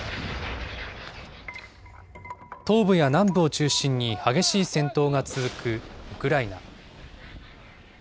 東部や南部を中心に激しい戦闘が続くウクライナ。